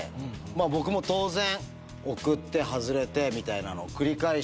僕も当然送って外れてみたいなのを繰り返して。